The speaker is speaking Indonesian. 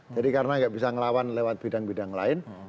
jadi karena nggak bisa ngelawan lewat bidang bidang lain